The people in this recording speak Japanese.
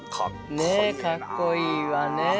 ねえかっこいいわね。